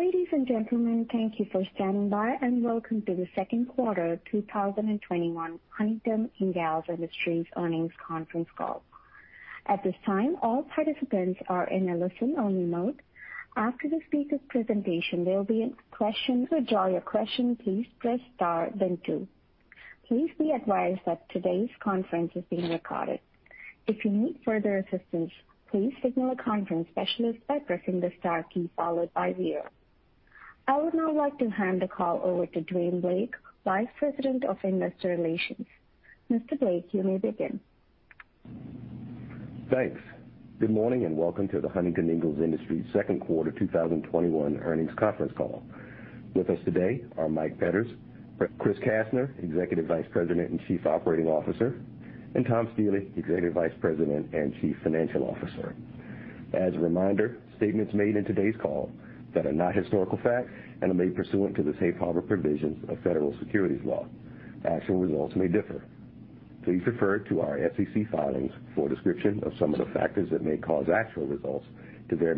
Ladies and gentlemen, thank you for standing by, and Welcome to the Second Quarter 2021 Huntington Ingalls Industries Earnings Conference Call. At this time, all participants are in a listen-only mode. After the speakers' presentation, there'll be a question. I would now like to hand the call over to Dwayne Blake, Vice President of Investor Relations. Mr. Blake, you may begin. Thanks. Good morning and Welcome to the Huntington Ingalls Industries Second Quarter 2021 Earnings Conference Call. With us today are Mike Petters, Chris Kastner, Executive Vice President and Chief Operating Officer, and Tom Stiehle, Executive Vice President and Chief Financial Officer. As a reminder, statements made in today's call that are not historical facts and are made pursuant to the Safe Harbor provisions of federal securities law. Actual results may differ. Please refer to our SEC filings for a description of some of the factors that may cause actual results to vary.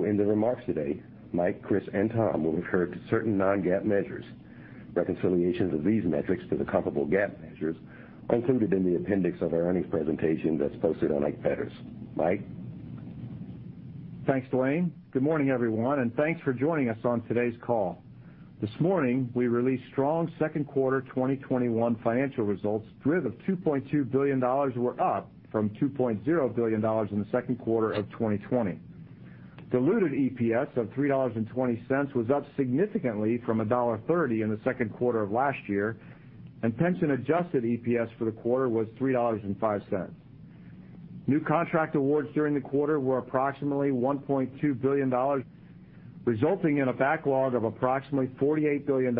In the remarks today, Mike, Chris, and Tom will refer to certain non-GAAP measures. Reconciliations of these metrics to the comparable GAAP measures are included in the appendix of our earnings presentation that's posted on. Mike? Thanks, Dwayne. Good morning, everyone, and thanks for joining us on today's call. This morning, we released strong second quarter 2021 financial results, driven $2.2 billion, we're up from $2.0 billion in the second quarter of 2020. Diluted EPS of $3.20 was up significantly from $1.30 in the second quarter of last year, and pension-adjusted EPS for the quarter was $3.05. New contract awards during the quarter were approximately $1.2 billion, resulting in a backlog of approximately $48 billion,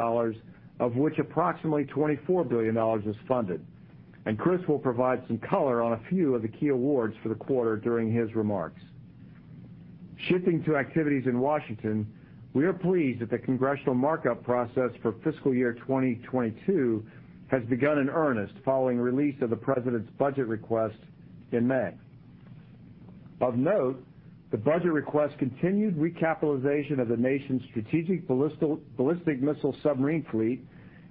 of which approximately $24 billion is funded. Chris will provide some color on a few of the key awards for the quarter during his remarks. Shifting to activities in Washington, we are pleased that the congressional markup process for fiscal year 2022 has begun in earnest following release of the president's budget request in May. Of note, the budget request continued recapitalization of the nation's strategic ballistic missile submarine fleet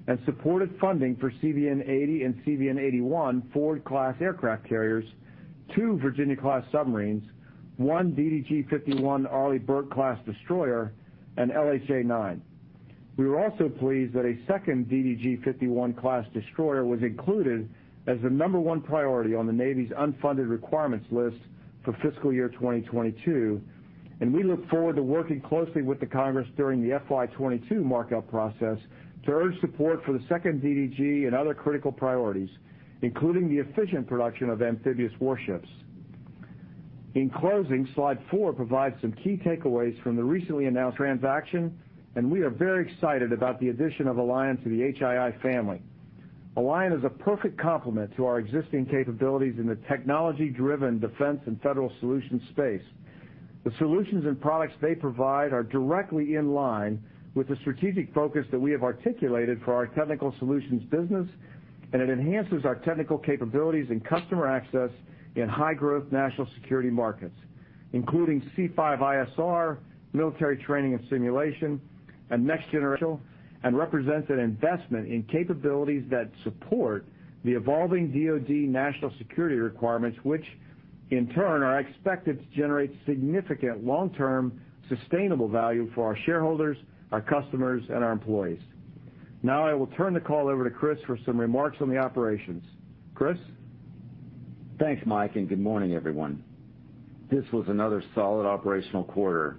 and supported funding for CVN-80 and CVN-81 Ford-class aircraft carriers, two Virginia-class submarines, one DDG 51 Arleigh Burke-class destroyer, and LHA-9. We were also pleased that a second DDG 51 class destroyer was included as the number one priority on the Navy's unfunded requirements list for fiscal year 2022. We look forward to working closely with the Congress during the FY 2022 markup process to earn support for the second DDG and other critical priorities, including the efficient production of amphibious warships. In closing, slide four provides some key takeaways from the recently announced transaction. We are very excited about the addition of Alion to the HII family. Alion is a perfect complement to our existing capabilities in the technology-driven defense and federal solutions space. The solutions and products they provide are directly in line with the strategic focus that we have articulated for our Technical Solutions business, and it enhances our technical capabilities and customer access in high-growth national security markets, including C5ISR, military training and simulation, and next generation represents an investment in capabilities that support the evolving DOD national security requirements, which, in turn, are expected to generate significant long-term sustainable value for our shareholders, our customers, and our employees. I will turn the call over to Chris for some remarks on the operations. Chris? Thanks, Mike. Good morning, everyone. This was another solid operational quarter,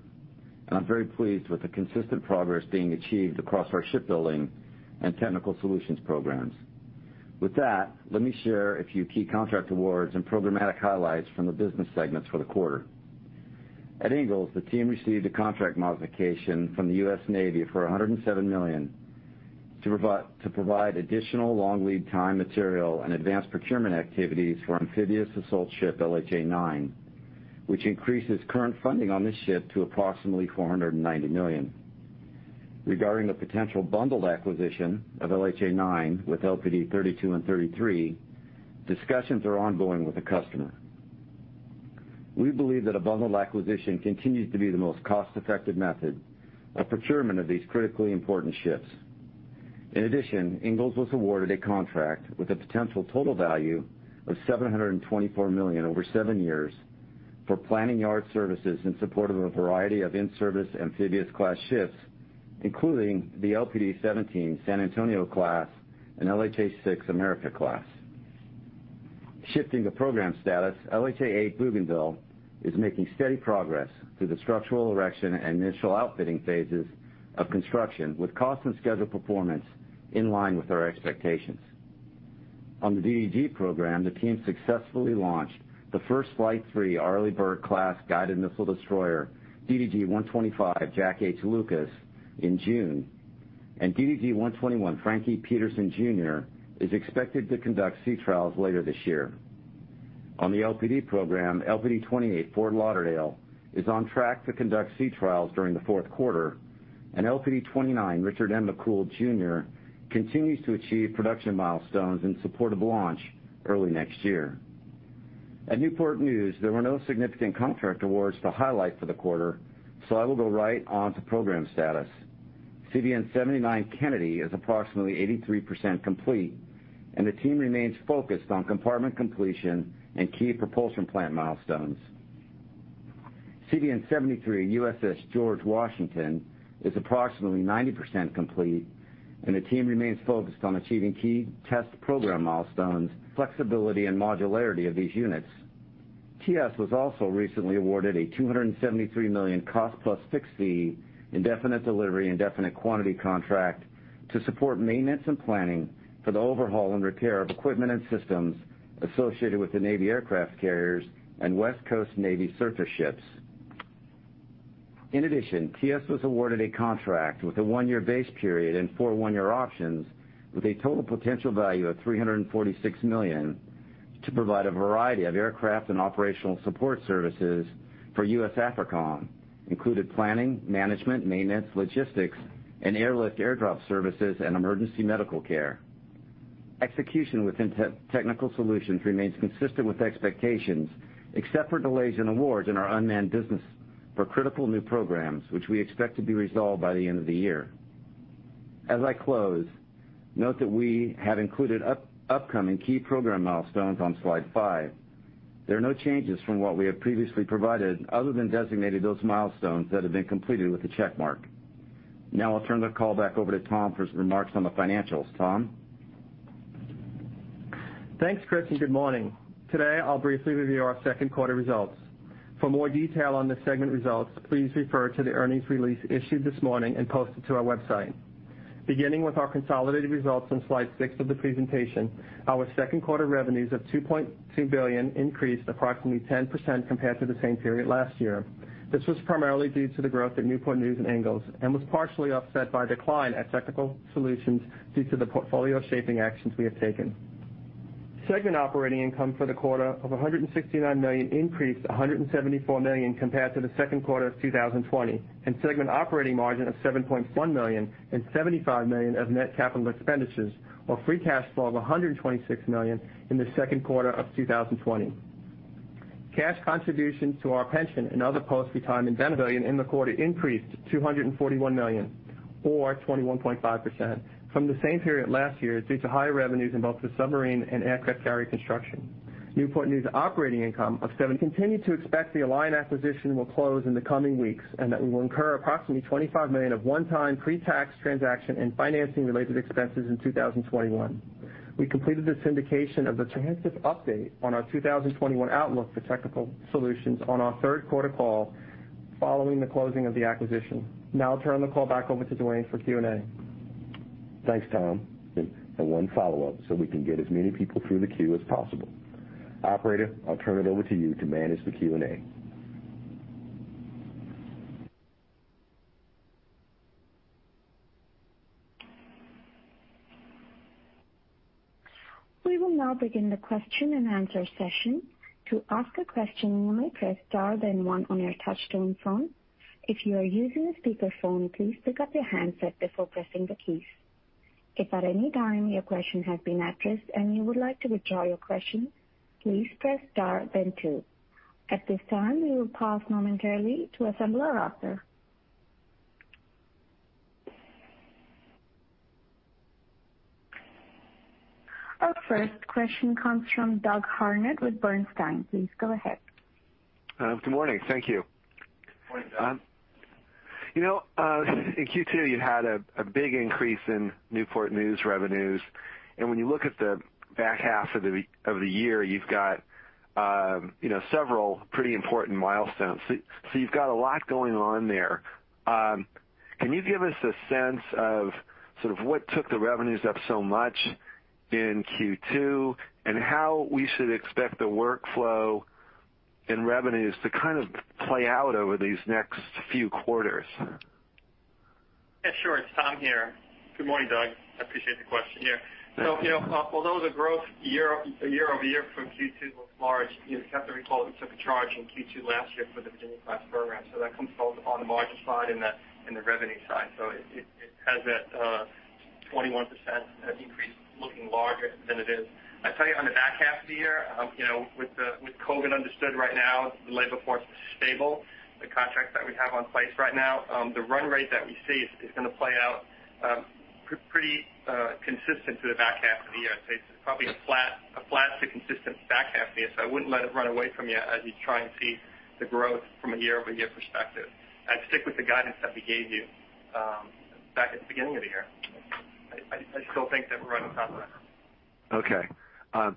and I'm very pleased with the consistent progress being achieved across our shipbuilding and Technical Solutions programs. With that, let me share a few key contract awards and programmatic highlights from the business segments for the quarter. At Ingalls, the team received a contract modification from the U.S. Navy for $107 million to provide additional long lead time material and advanced procurement activities for amphibious assault ship LHA-9, which increases current funding on this ship to approximately $490 million. Regarding the potential bundled acquisition of LHA-9 with LPD 32 and 33, discussions are ongoing with the customer. We believe that a bundled acquisition continues to be the most cost-effective method of procurement of these critically important ships. In addition, Ingalls was awarded a contract with a potential total value of $724 million over seven years for planning yard services in support of a variety of in-service amphibious class ships, including the LPD 17 San Antonio class and LHA-6 America class. Shifting to program status, LHA-8 Bougainville is making steady progress through the structural erection and initial outfitting phases of construction with cost and schedule performance in line with our expectations. On the DDG program, the team successfully launched the first Flight III Arleigh Burke-class guided missile destroyer, DDG 125 Jack H. Lucas, in June, and DDG 121 Frank E. Petersen Jr. is expected to conduct sea trials later this year. On the LPD program, LPD 28 Fort Lauderdale is on track to conduct sea trials during the fourth quarter, and LPD 29 Richard M. McCool Jr. continues to achieve production milestones in support of launch early next year. At Newport News, there were no significant contract awards to highlight for the quarter, so I will go right on to program status. CVN 79 Kennedy, is approximately 83% complete, and the team remains focused on compartment completion and key propulsion plant milestones. CVN 73 USS George Washington, is approximately 90% complete, and the team remains focused on achieving key test program milestones, flexibility, and modularity of these units. TS was also recently awarded a $273 million cost plus fixed fee, indefinite delivery, indefinite quantity contract to support maintenance and planning for the overhaul and repair of equipment and systems associated with the Navy aircraft carriers and West Coast Navy surface ships. In addition, TS was awarded a contract with a one-year base period and four one-year options with a total potential value of $346 million to provide a variety of aircraft and operational support services for US AFRICOM, including planning, management, maintenance, logistics, and airlift, airdrop services, and emergency medical care. Execution within Technical Solutions remains consistent with expectations, except for delays in awards in our unmanned business for critical new programs, which we expect to be resolved by the end of the year. As I close, note that we have included upcoming key program milestones on slide five. There are no changes from what we have previously provided other than designating those milestones that have been completed with a check mark. Now I'll turn the call back over to Tom for his remarks on the financials. Tom? Thanks, Chris, and good morning. Today, I'll briefly review our second quarter results. For more detail on the segment results, please refer to the earnings release issued this morning and posted to our website. Beginning with our consolidated results on slide six of the presentation, our second quarter revenues of $2.2 billion increased approximately 10% compared to the same period last year. This was primarily due to the growth at Newport News and Ingalls and was partially offset by a decline at Technical Solutions due to the portfolio shaping actions we have taken. Segment operating income for the quarter of $169 million increased to $174 million compared to the second quarter of 2020, and segment operating margin of $7.1 million and $75 million of net capital expenditures, while free cash flow of $126 million in the second quarter of 2020. Cash contributions to our pension and other post-retirement benefits in the quarter increased to $241 million, or 21.5%, from the same period last year due to higher revenues in both the submarine and aircraft carrier construction. Newport News operating income, we continue to expect the Alion acquisition will close in the coming weeks, and that we will incur approximately $25 million of one-time pre-tax transaction and financing-related expenses in 2021. We completed the syndication of the comprehensive update on our 2021 outlook for Technical Solutions on our third quarter call, following the closing of the acquisition. I'll turn the call back over to Dwayne for Q&A. Thanks, Tom, and one follow-up so we can get as many people through the queue as possible. Operator, I'll turn it over to you to manage the Q&A. Our first question comes from Doug Harned with Bernstein. Please go ahead. Good morning. Thank you. Morning, Doug. In Q2, you had a big increase in Newport News revenues. When you look at the back half of the year, you've got several pretty important milestones. You've got a lot going on there. Can you give us a sense of what took the revenues up so much in Q2 and how we should expect the workflow and revenues to play out over these next few quarters? Yeah, sure. It's Tom here. Good morning, Doug. I appreciate the question here. Although the growth year-over-year from Q2 was large, you have to recall we took a charge in Q2 last year for the Virginia-class program. That comes both on the margin side and the revenue side. It has that 21% increase looking larger than it is. I'd tell you on the back half of the year, with COVID understood right now, the labor force is stable. The contracts that we have in place right now, the run rate that we see is going to play out pretty consistent through the back half of the year. I'd say probably a flat to consistent back half of the year. I wouldn't let it run away from you as you try and see the growth from a year-over-year perspective. I'd stick with the guidance that we gave you back at the beginning of the year. I still think that we're on top of that. Okay. You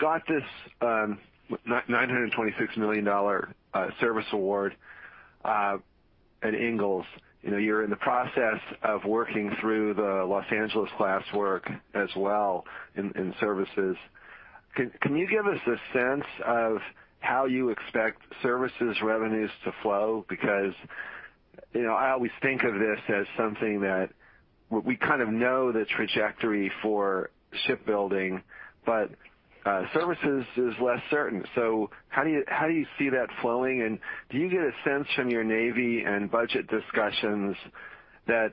got this $926 million service award at Ingalls. You're in the process of working through the Los Angeles-class work as well in services. Can you give us a sense of how you expect services revenues to flow? I always think of this as something that we kind of know the trajectory for shipbuilding, but services is less certain. How do you see that flowing, and do you get a sense from your Navy and budget discussions that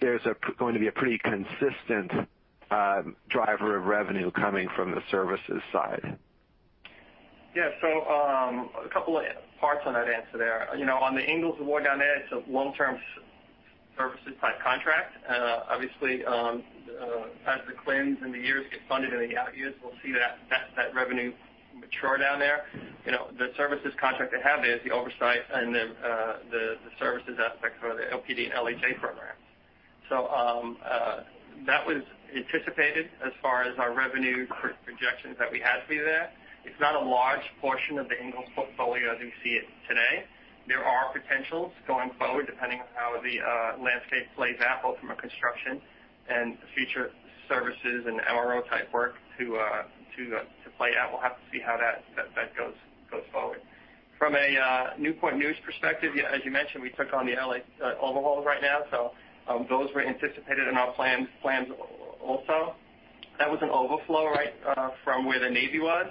There's going to be a pretty consistent driver of revenue coming from the services side. Yes. A couple of parts on that answer there. On the Ingalls award down there, it's a long-term services type contract. Obviously, as the claims and the years get funded in the out years, we'll see that revenue mature down there. The services contract they have is the oversight and the services aspects for the LPD and LHA programs. That was anticipated as far as our revenue projections that we had for you there. It's not a large portion of the Ingalls portfolio as we see it today. There are potentials going forward, depending on how the landscape plays out, both from a construction and future services and RO type work to play out. We'll have to see how that goes forward. From a Newport News perspective, as you mentioned, we took on the L.A. overhaul right now, so those were anticipated in our plans also. That was an overflow right from where the Navy was.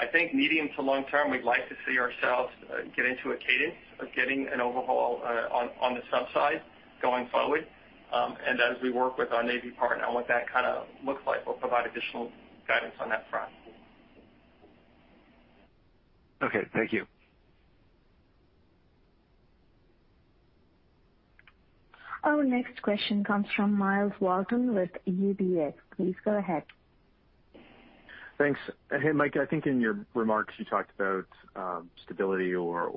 I think medium to long term, we'd like to see ourselves get into a cadence of getting an overhaul on the sub side going forward. As we work with our Navy partner on what that kind of looks like, we'll provide additional guidance on that front. Okay. Thank you. Our next question comes from Myles Walton with UBS. Please go ahead. Thanks. Hey, Mike, I think in your remarks, you talked about stability or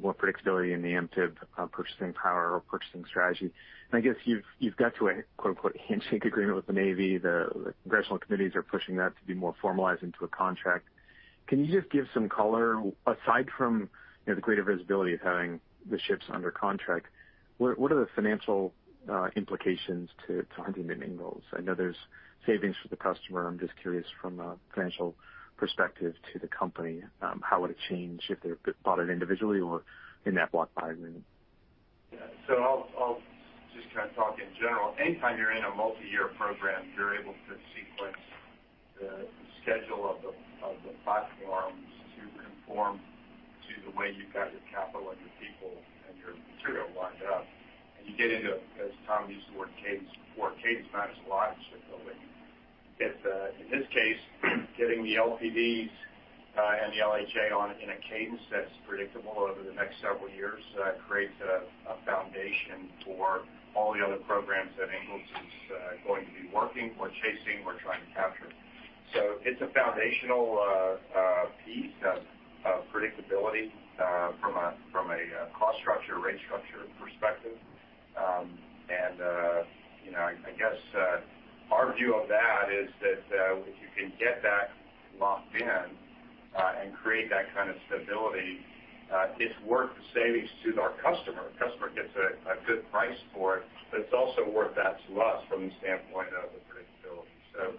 more predictability in the MTIB purchasing power or purchasing strategy. I guess you've got to a quote unquote, "handshake agreement" with the Navy. The congressional committees are pushing that to be more formalized into a contract. Can you just give some color, aside from the greater visibility of having the ships under contract, what are the financial implications to Huntington Ingalls? I know there's savings for the customer. I'm just curious from a financial perspective to the company, how would it change if they bought it individually or in that block buy agreement? Yeah. I'll just kind of talk in general. Anytime you're in a multi-year program, you're able to sequence the schedule of the platforms to inform to the way you've got your capital and your people and your material lined up. You get into, as Tom used the word, cadence, more cadence, not as a lot of shipbuilding. If, in this case, getting the LPDs, and the LHA in a cadence that's predictable over the next several years, creates a foundation for all the other programs that Ingalls is going to be working or chasing or trying to capture. It's a foundational piece of predictability, from a cost structure, rate structure perspective. I guess, our view of that is that, if you can get that locked in and create that kind of stability, it's worth the savings to our customer. Customer gets a good price for it. It's also worth that to us from the standpoint of the predictability.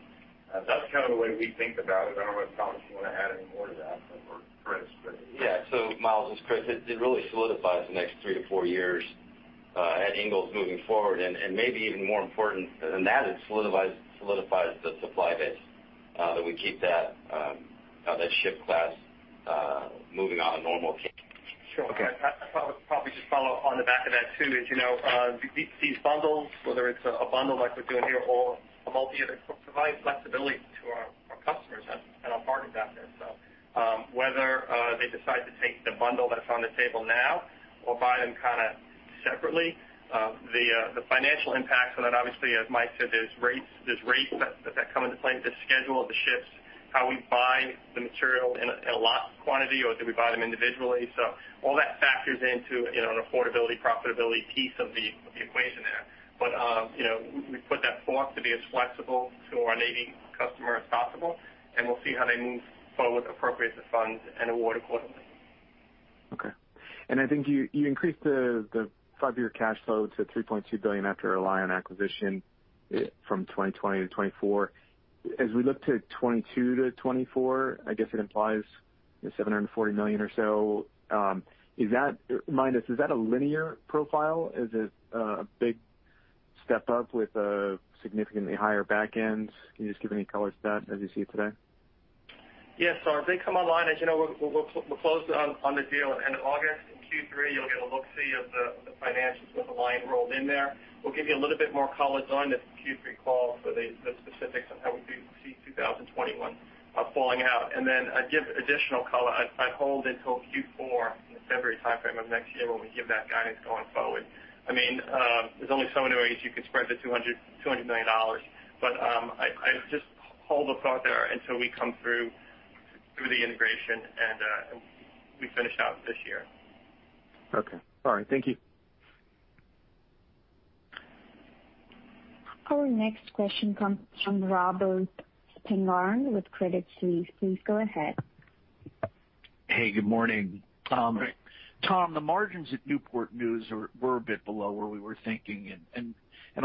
That's kind of the way we think about it. I don't know if, Tom, if you want to add any more to that or Chris. Yeah. Myles, as Chris said, it really solidifies the next three to four years at Ingalls moving forward. Maybe even more important than that, it solidifies the supply base, that we keep that ship class moving on a normal cadence. Okay. Sure. I probably should follow up on the back of that, too, is these bundles, whether it's a bundle like we're doing here or a multi-year, provide flexibility to our customers and our partners out there. Whether they decide to take the bundle that's on the table now or buy them kind of separately, the financial impacts on that, obviously, as Mike said, there's rates that come into play, the schedule of the ships, how we buy the material in a lot quantity, or do we buy them individually. All that factors into an affordability, profitability piece of the equation there. We put that forth to be as flexible to our Navy customer as possible, and we'll see how they move forward, appropriate the funds, and award accordingly. Okay. I think you increased the five-year cash flow to $3.2 billion after Alion acquisition from 2020 to 2024. As we look to 2022 to 2024, I guess it implies the $740 million or so. Is that a linear profile? Is it a big step up with a significantly higher back end? Can you just give any color to that as you see it today? Yes. As they come online, as you know, we're closed on the deal at end of August. In Q3, you'll get a look-see of the financials with Alion rolled in there. We'll give you a little bit more color on this Q3 call for the specifics on how we see 2021 falling out. Then I'd give additional color, I'd hold until Q4 in the February timeframe of next year when we give that guidance going forward. There's only so many ways you could spread the $200 million, I'd just hold the thought there until we come through the integration and we finish out this year. Okay. All right. Thank you. Our next question comes from Robert Spingarn with Credit Suisse. Please go ahead. Hey, good morning. Good day. Tom, the margins at Newport News were a bit below where we were thinking and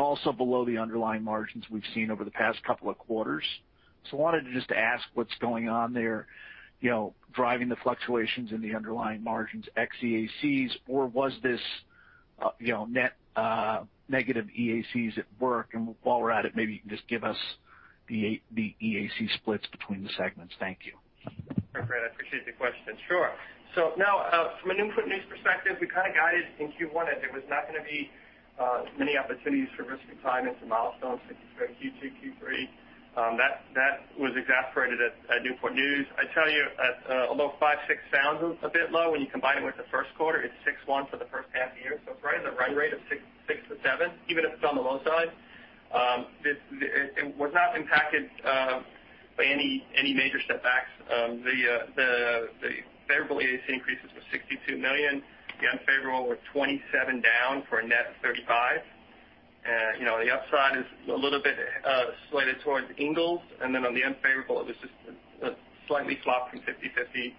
also below the underlying margins we've seen over the past couple of quarters. I wanted to just ask what's going on there, driving the fluctuations in the underlying margins, ex EACs, or was this net negative EACs at work? While we're at it, maybe you can just give us the EAC splits between the segments. Thank you. No problem. I appreciate the question. Sure. Now, from a Newport News perspective, we kind of guided in Q1 that there was not going to be many opportunities for risk retirements and milestones for Q2, Q3. That was exacerbated at Newport News. I tell you, although five, six sounds a bit low when you combine it with the first quarter, it's six, one for the first half year. It's right at a run rate of six to seven, even if it's on the low side. It was not impacted by any major setbacks. The favorable EAC increases were $62 million. The unfavorable were $27 down for a net of $35. The upside is a little bit slated towards Ingalls. On the unfavorable, it was just slightly flopped from 50/50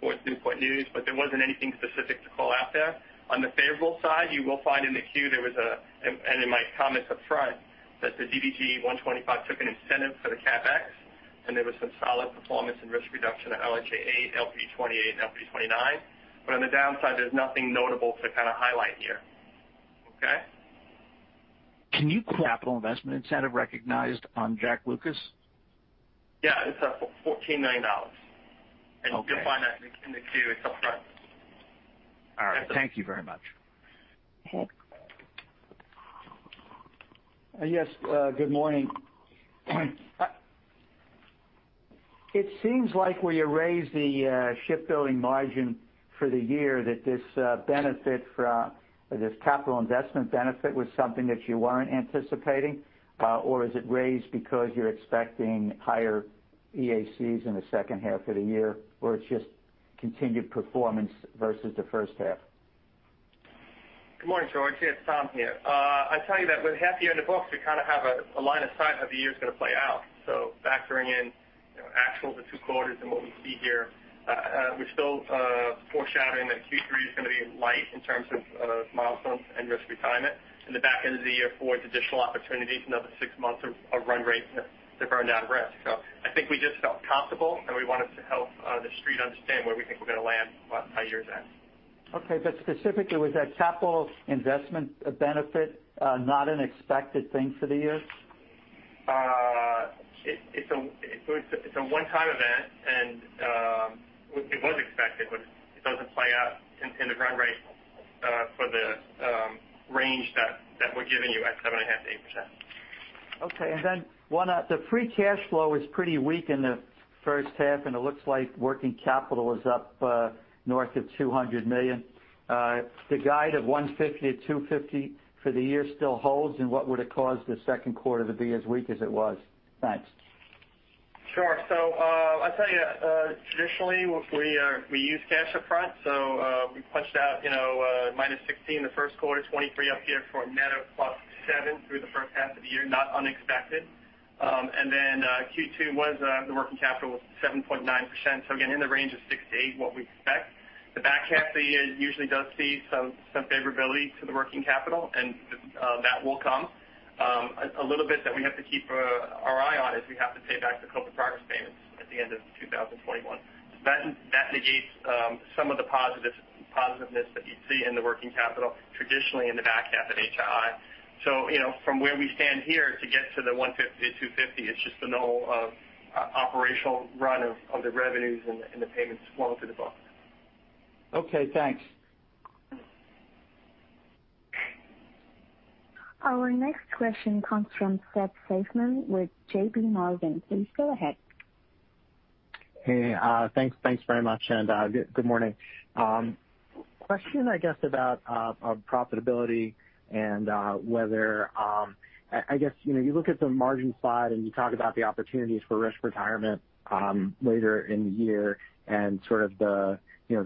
towards Newport News. There wasn't anything specific to call out there. On the favorable side, you will find in the queue, and in my comments up front, that the DDG 125 took an incentive for the CapEx and there was some solid performance and risk reduction at LHA-8, LPD 28 and LPD 29. On the downside, there's nothing notable to kind of highlight here. Okay? Can you call out the capital investment incentive recognized on Jack Lucas? Yeah. It's $14 million. Okay. You'll find that in the queue. It's up front. All right. Thank you very much. Hey. Yes. Good morning. It seems like where you raised the shipbuilding margin for the year that this capital investment benefit was something that you weren't anticipating? Is it raised because you're expecting higher EACs in the second half of the year, or it's just continued performance versus the first half? Good morning, George. It's Tom here. I tell you that with half the year in the books, we kind of have a line of sight how the year's going to play out. Factoring in actual the two quarters and what we see here, we're still foreshadowing that Q3 is going to be light in terms of milestones and risk retirement. In the back end of the year affords additional opportunities, another six months of run rate to burn down risk. I think we just felt comfortable, and we wanted to help the Street understand where we think we're going to land by year's end. Okay, specifically, was that capital investment benefit not an expected thing for the year? It's a one-time event, and it was expected, but it doesn't play out in the run rate for the range that we're giving you at 7.5%-8%. Okay. The free cash flow is pretty weak in the first half, and it looks like working capital is up north of $200 million. The guide of $150 million-$250 million for the year still holds, what would have caused the second quarter to be as weak as it was? Thanks. Sure. I tell you, traditionally, we use cash up front. We punched out -$16 the first quarter, $23 up here for a net of +$7 through the first half of the year. Not unexpected. Q2 was the working capital was 7.9%. Again, in the range of 6%-8%, what we expect. The back half of the year usually does see some favorability to the working capital and that will come. A little bit that we have to keep our eye on is we have to pay back the COVID progress payments at the end of 2021. That negates some of the positiveness that you'd see in the working capital traditionally in the back half at HII. From where we stand here to get to the $150-$250, it's just the normal operational run of the revenues and the payments flowing through the books. Okay, thanks. Our next question comes from Seth Seifman with JPMorgan. Please go ahead. Hey, thanks very much and good morning. Question, I guess about profitability and whether, I guess, you look at the margin slide and you talk about the opportunities for risk retirement later in the year and sort of the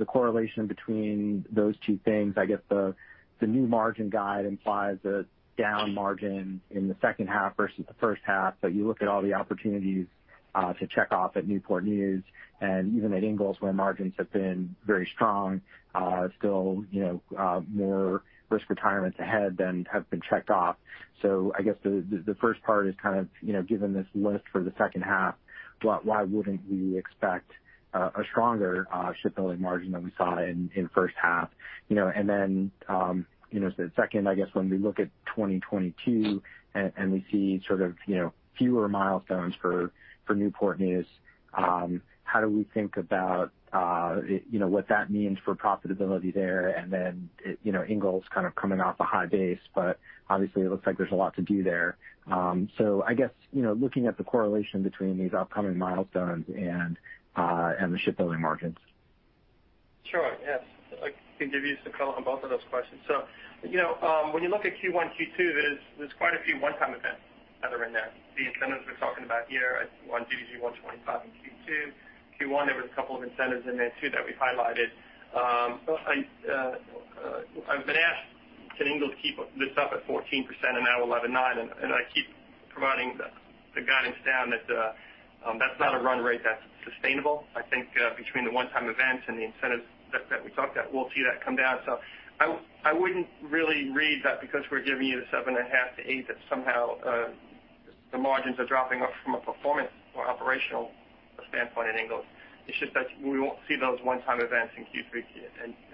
correlation between those two things. I guess the new margin guide implies a down margin in the second half versus the first half. You look at all the opportunities to check off at Newport News and even at Ingalls, where margins have been very strong. Still more risk retirements ahead than have been checked off. I guess the first part is kind of given this list for the second half, why wouldn't we expect a stronger shipbuilding margin than we saw in first half? The second, I guess when we look at 2022 and we see sort of fewer milestones for Newport News, how do we think about what that means for profitability there and then Ingalls kind of coming off a high base, but obviously it looks like there's a lot to do there, I guess, looking at the correlation between these upcoming milestones and the shipbuilding margins? Sure, yes. I can give you some color on both of those questions. When you look at Q1, Q2, there's quite a few one-time events that are in there. The incentives we're talking about here at Q1 DDG 125 and Q2. Q1, there was a couple of incentives in there, too, that we highlighted. I've been asked, "Can Ingalls keep this up at 14% and now 11.9%?" I keep providing the guidance down that that's not a run rate that's sustainable. I think between the one-time events and the incentives that we talked at, we'll see that come down. I wouldn't really read that because we're giving you the 7.5%-8% that somehow the margins are dropping off from a performance or operational-standpoint at Ingalls. It's just that we won't see those one-time events in Q3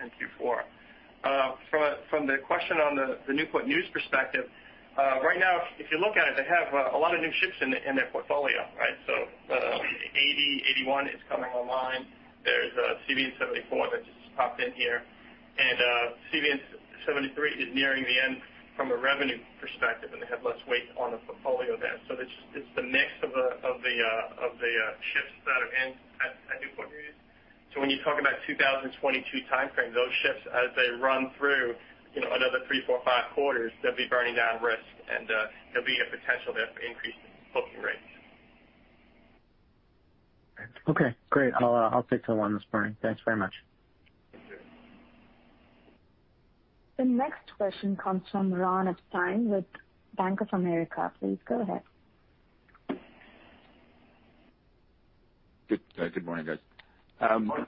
and Q4. From the question on the Newport News perspective, right now, if you look at it, they have a lot of new ships in their portfolio. 80, 81 is coming online. There is CVN 74 that just popped in here, and CVN 73 is nearing the end from a revenue perspective, and they have less weight on the portfolio there. It's the mix of the ships that are in at Newport News. When you talk about 2022 timeframe, those ships, as they run through, another three, four, five quarters, they'll be burning down risk and there'll be a potential there for increasing booking rates. Okay, great. I'll stick to one this morning. Thanks very much. Thank you. The next question comes from Ron Epstein with Bank of America. Please go ahead. Good morning, guys. Morning.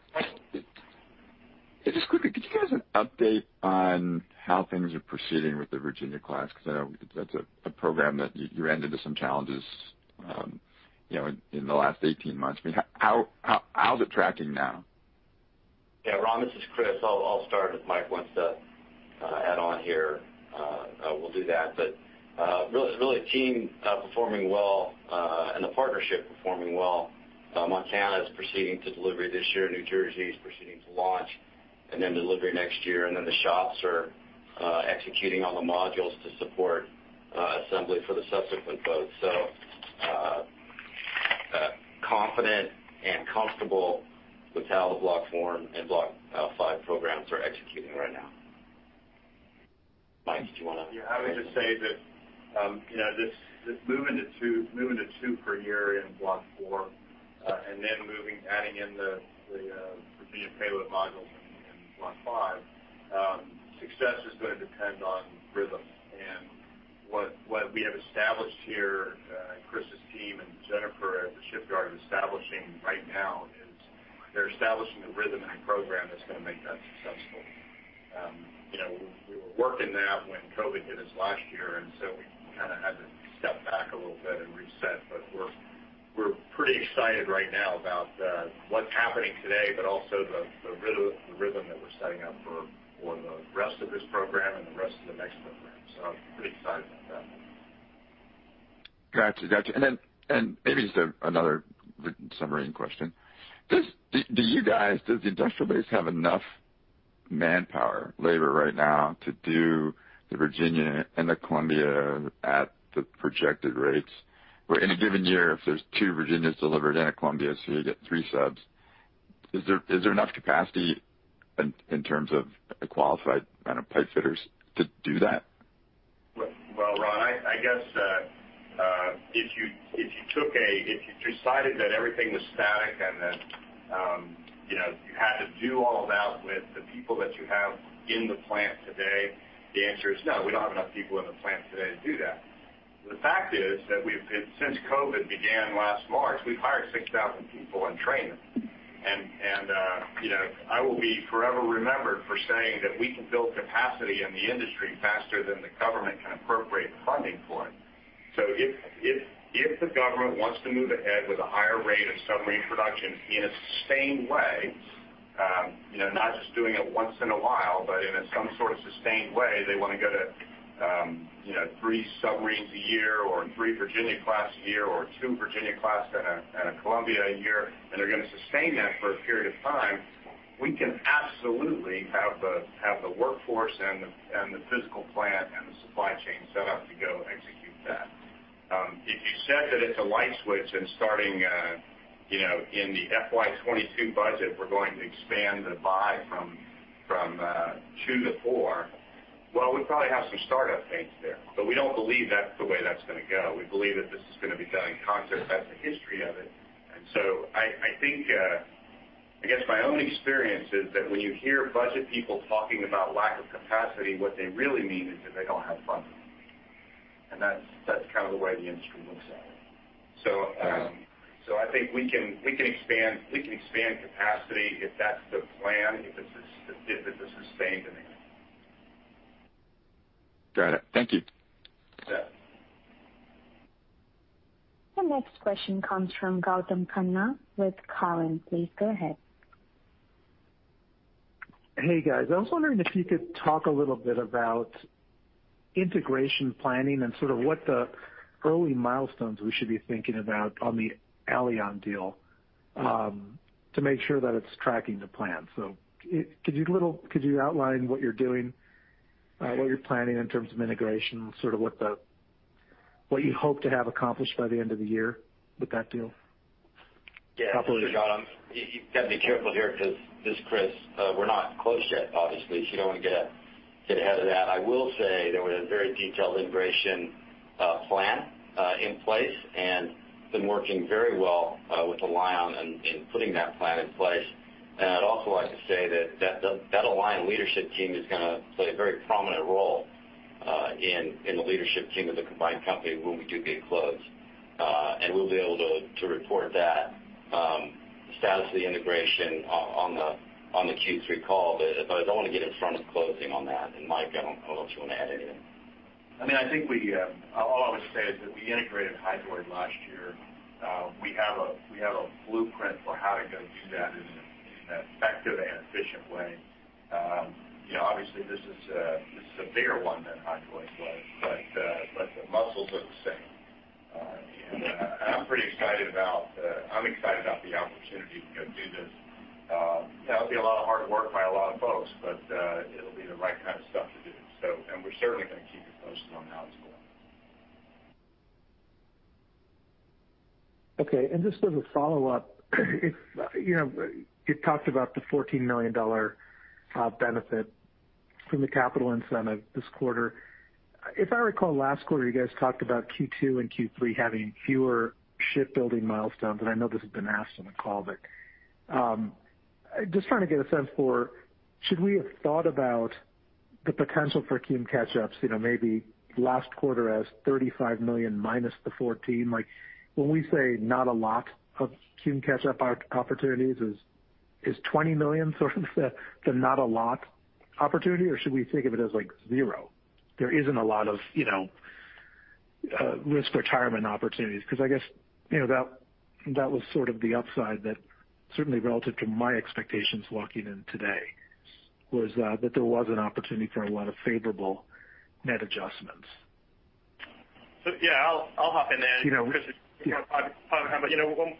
Just quickly, could you give us an update on how things are proceeding with the Virginia-class? I know that's a program that you ran into some challenges in the last 18 months. How's it tracking now? Yeah, Ron, this is Chris. I'll start. If Mike wants to add on here, we'll do that. Really, the team performing well, and the partnership performing well. Montana is proceeding to delivery this year. New Jersey is proceeding to launch, and then delivery next year. The shops are executing on the modules to support assembly for the subsequent boats. Confident and comfortable with how the Block IV and Block V programs are executing right now. Mike, did you want to? Yeah. I would just say that, just moving to two per year in Block IV, and then adding in the Virginia Payload Module in Block V, success is going to depend on rhythm. What we have established here, Chris' team, and Jennifer at the shipyard are establishing right now is, they're establishing the rhythm and program that's going to make that successful. We were working that when COVID hit us last year, we kind of had to step back a little bit and reset. We're pretty excited right now about what's happening today, but also the rhythm that we're setting up for the rest of this program and the rest of the next program. I'm pretty excited about that. Got you. Maybe just another submarine question. Does the industrial base have enough manpower, labor right now to do the Virginia and the Columbia at the projected rates? Where any given year, if there's two Virginias delivered and a Columbia, so you get three subs, is there enough capacity in terms of qualified pipefitters to do that? Well, Ron, I guess, if you decided that everything was static and that you had to do all of that with the people that you have in the plant today, the answer is no. We don't have enough people in the plant today to do that. The fact is that since COVID began last March, we've hired 6,000 people and trained them. I will be forever remembered for saying that we can build capacity in the industry faster than the government can appropriate funding for it. If the government wants to move ahead with a higher rate of submarine production in a sustained way, not just doing it once in a while, but in some sort of sustained way, they want to go to three submarines a year, or three Virginia-class a year, or two Virginia-class and a Columbia a year, and they're going to sustain that for a period of time, we can absolutely have the workforce and the physical plant and the supply chain set up to go execute that. If you said that it's a light switch and starting in the FY 2022 budget, we're going to expand the buy from two to four, we'd probably have some startup pains there. We don't believe that's the way that's going to go. We believe that this is going to be done in concert. That's the history of it. I guess my own experience is that when you hear budget people talking about lack of capacity, what they really mean is that they don't have funding. That's kind of the way the industry looks at it. I think we can expand capacity if that's the plan, if it's a sustained thing. Got it. Thank you. You bet. The next question comes from Gautam Khanna with Cowen. Please go ahead. Hey, guys. I was wondering if you could talk a little bit about integration planning and sort of what the early milestones we should be thinking about on the Alion deal, to make sure that it's tracking to plan. Could you outline what you're doing, what you're planning in terms of integration, sort of what you hope to have accomplished by the end of the year with that deal? Yeah. Hopefully. Gautam, you got to be careful here, this is Chris, we're not closed yet, obviously. You don't want to get ahead of that. I will say there was a very detailed integration plan in place, and been working very well, with Alion in putting that plan in place. I'd also like to say that Alion leadership team is going to play a very prominent role in the leadership team of the combined company when we do get closed. We'll be able to report that, the status of the integration, on the Q3 call. I don't want to get in front of closing on that. Mike, I don't know if you want to add anything. I think all I would say is that we integrated Hydroid last year. We have a blueprint for how to go do that in an effective and efficient way. Obviously, this is a bigger one than Hydroid was, but the muscles are the same. I'm pretty excited about the opportunity to go do this. That'll be a lot of hard work by a lot of folks, but it'll be the right kind of stuff to do. We're certainly going to keep you posted on how it's going. Okay, and just as a follow-up, you talked about the $14 million benefit from the capital incentive this quarter. If I recall last quarter, you guys talked about Q2 and Q3 having fewer shipbuilding milestones, and I know this has been asked on the call, but just trying to get a sense for should we have thought about the potential for Q catch-ups, maybe last quarter as $35 million minus the $14 million. When we say not a lot of Q catch-up opportunities, is $20 million sort of the not a lot opportunity, or should we think of it as zero? There isn't a lot of risk retirement opportunities, because I guess that was sort of the upside that certainly relative to my expectations walking in today, was that there was an opportunity for a lot of favorable net adjustments. Yeah, I'll hop in then. You know.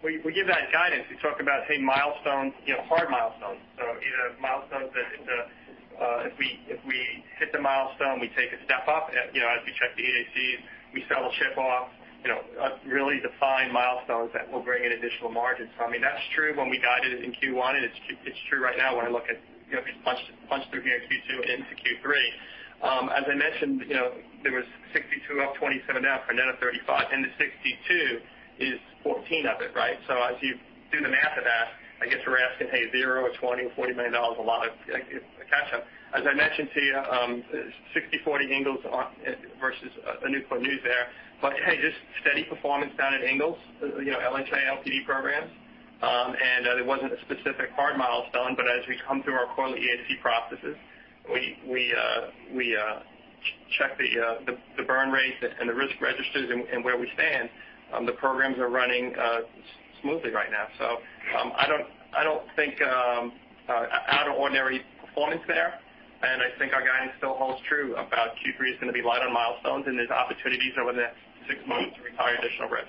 We give that guidance. We talk about, hey, milestones, hard milestones. Either milestones that if we hit the milestone, we take a step up. As we check the EACs, we sell a ship off, really defined milestones that will bring in additional margins. That's true when we guided in Q1, and it's true right now when I look at, if you punch through here Q2 into Q3. As I mentioned, there was 62 up, 27 down for a net of 35. The 62 is 14 of it, right? As you do the math of that, I guess we're asking, hey, $0 or $20 or $40 million a lot of catch-up. As I mentioned to you, 60/40 Ingalls versus Newport News there. Hey, just steady performance down at Ingalls, LHA, LPD programs. There wasn't a specific hard milestone, but as we come through our quarterly EAC processes, we check the burn rates and the risk registers and where we stand. The programs are running smoothly right now. I don't think out of ordinary performance there, and I think our guidance still holds true about Q3 is going to be light on milestones, and there's opportunities over the next six months to retire additional risk.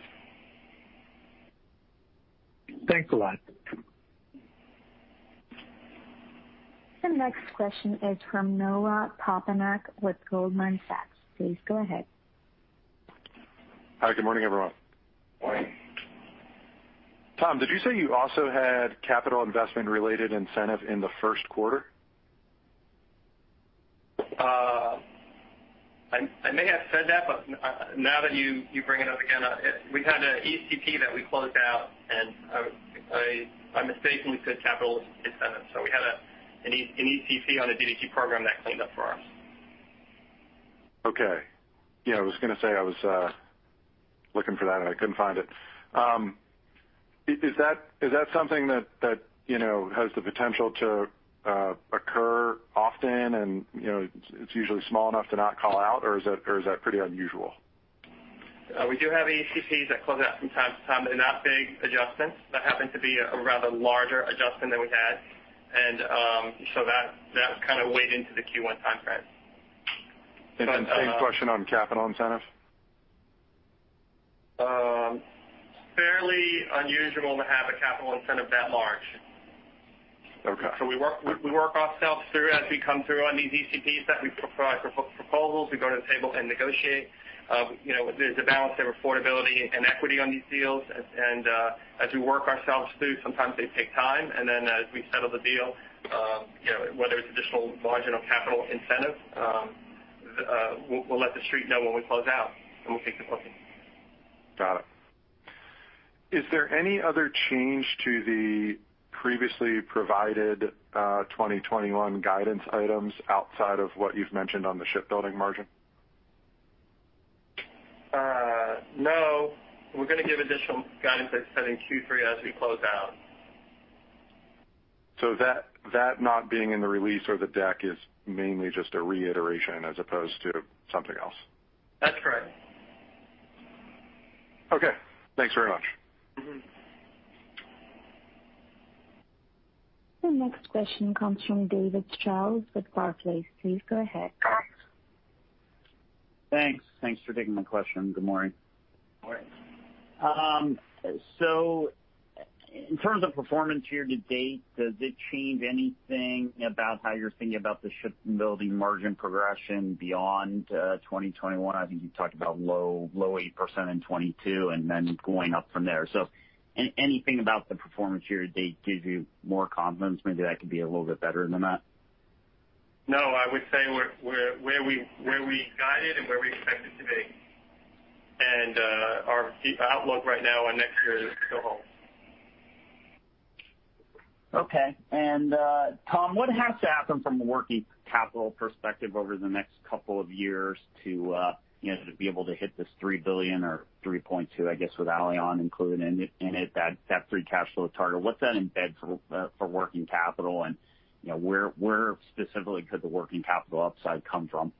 Thanks a lot. The next question is from Noah Poponak with Goldman Sachs. Please go ahead. Hi, good morning, everyone. Morning. Tom, did you say you also had capital investment-related incentive in the first quarter? I may have said that, but now that you bring it up again, we had an ECP that we closed out, and I mistakenly said capital incentive. We had an ECP on a DDG program that cleaned up for us. Okay. I was going to say I was looking for that and I couldn't find it. Is that something that has the potential to occur often and it's usually small enough to not call out, or is that pretty unusual? We do have ECPs that close out from time to time. They're not big adjustments. That happened to be a rather larger adjustment than we've had. That kind of weighed into the Q1 timeframe. Same question on capital incentives. Fairly unusual to have a capital incentive that large. Okay. We work ourselves through as we come through on these ECPs that we provide proposals, we go to the table and negotiate. There's a balance of affordability and equity on these deals. As we work ourselves through, sometimes they take time, and then as we settle the deal, whether it's additional margin or capital incentive, we'll let The Street know when we close out, and we'll take the booking. Got it. Is there any other change to the previously provided 2021 guidance items outside of what you've mentioned on the shipbuilding margin? No. We're going to give additional guidance at Q3 as we close out. That not being in the release or the deck is mainly just a reiteration as opposed to something else. That's correct. Okay. Thanks very much. The next question comes from David Strauss with Barclays. Please go ahead. Thanks. Thanks for taking my question. Good morning. Morning. In terms of performance year to date, does it change anything about how you're thinking about the shipbuilding margin progression beyond 2021? I think you talked about low 8% in 2022 and then going up from there. Anything about the performance year to date gives you more confidence, maybe that could be a little bit better than that? No, I would say we're where we guided and where we expected to be. Our outlook right now on next year still holds. Okay. Tom, what has to happen from a working capital perspective over the next couple of years to be able to hit this $3 billion or $3.2 billion, I guess, with Alion included in it, that free cash flow target? What's that embed for working capital, and where specifically could the working capital upside come from?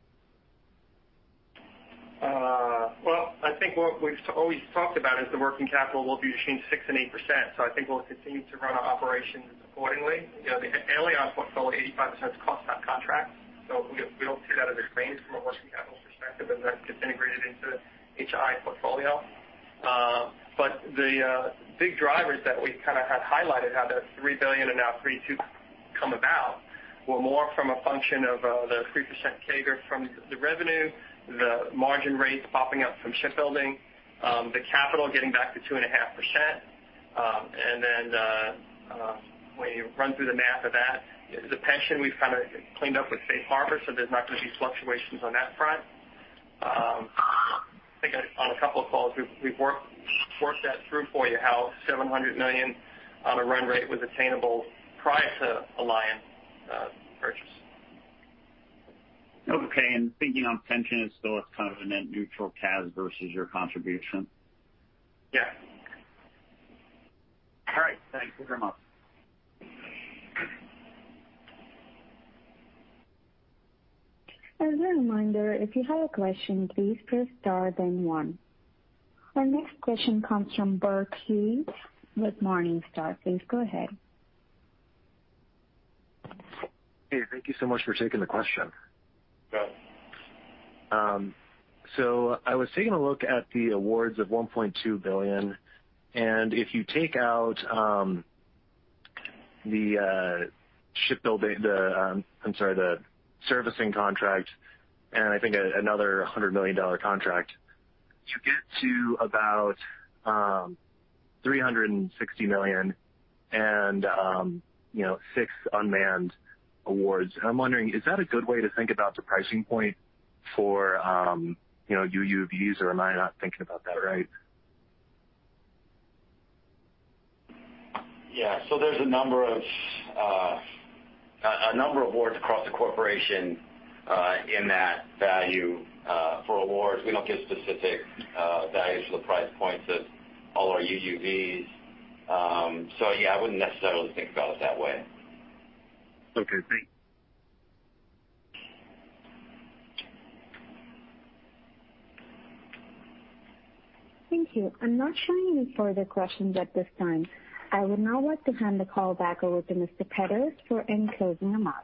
I think what we've always talked about is the working capital will be between 6% and 8%, so I think we'll continue to run our operations accordingly. The Alion portfolio, 85% is cost-plus contracts, so we don't see that as a drain from a working capital perspective as that gets integrated into the HII portfolio. The big drivers that we had highlighted, how that $3 billion and now $3.2 billion come about, were more from a function of the 3% CAGR from the revenue, the margin rates popping up from shipbuilding, the capital getting back to 2.5%, and then when you run through the math of that, the pension, we've kind of cleaned up with Safe Harbor, so there's not going to be fluctuations on that front. I think on a couple of calls, we've worked that through for you how $700 million on a run rate was attainable prior to Alion purchase. Okay, thinking on pension is still as kind of a net neutral CAS versus your contribution? Yeah. All right. Thank you very much. As a reminder, if you have a question, please press star then one. Our next question comes from Burkett Huey with Morningstar. Please go ahead. Hey, thank you so much for taking the question. Yeah. I was taking a look at the awards of $1.2 billion, and if you take out the servicing contract and I think another $100 million contract, you get to about $360 million and six unmanned awards. I'm wondering, is that a good way to think about the pricing point for UUVs, or am I not thinking about that right? Yeah. There's a number of awards across the corporation in that value for awards. We don't give specific values for the price points of all our UUVs. Yeah, I wouldn't necessarily think about it that way. Okay, thanks. Thank you. I'm not showing any further questions at this time. I would now like to hand the call back over to Mr. Petters for any closing remarks.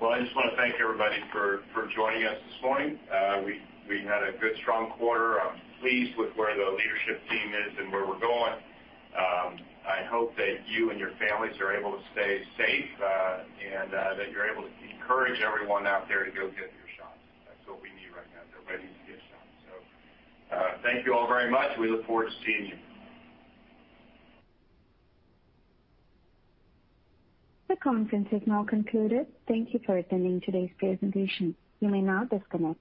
Well, I just want to thank everybody for joining us this morning. We had a good, strong quarter. I'm pleased with where the leadership team is and where we're going. I hope that you and your families are able to stay safe, and that you're able to encourage everyone out there to go get your shots. That's what we need right now is everybody to get shots. Thank you all very much. We look forward to seeing you. The conference has now concluded. Thank you for attending today's presentation. You may now disconnect.